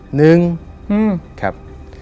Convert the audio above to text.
หนึ่งครับ